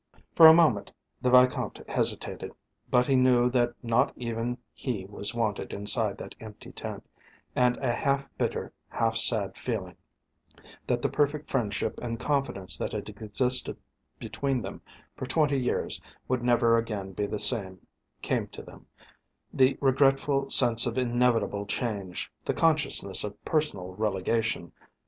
For a moment the Vicomte hesitated, but he knew that not even he was wanted inside that empty tent, and a half bitter, half sad feeling that the perfect friendship and confidence that had existed between them for twenty years would never again be the same came to them, the regretful sense of inevitable change, the consciousness of personal relegation.